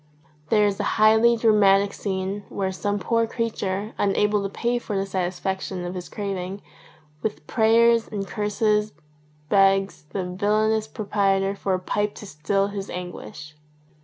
There is a highly dramatic scene where some poor creature, unable to pay for the satisfaction of his craving, with prayers and curses begs the villainous proprietor for a pipe to still his anguish.